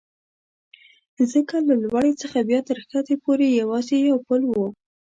ځکه له لوړې څخه بیا تر کښته پورې یوازې یو پل و.